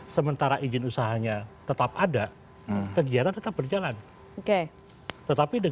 sementara izin usahanya tetap ada kegiatan tetap berjalan